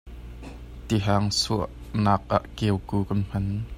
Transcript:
Tihang suahnak ah keuku kan hman.